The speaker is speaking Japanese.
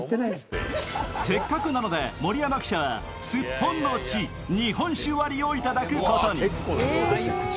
せっかくなので盛山記者すっぽんの血日本酒割りをいただくことに。